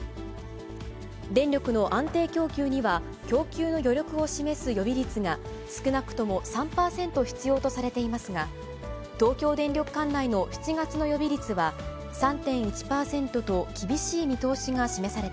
電力の安定供給には、供給の余力を示す予備率が、少なくとも３％必要とされていますが、東京電力管内の７月の予備率は３．１％と、厳しい見通しが示され